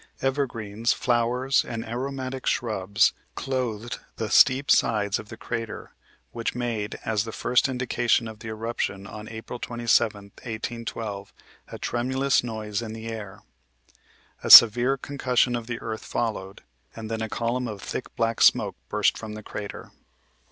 Evergreens, flowers and aromatic shrubs clothed the steep sides of the crater, which made, as the first indication of the eruption on April 27, 1812, a tremulous noise in the air. A severe concussion of the earth followed, and then a column of thick black smoke burst from the crater.